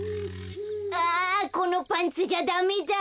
あこのパンツじゃダメだ。